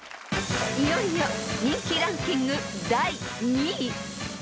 ［いよいよ人気ランキング第２位］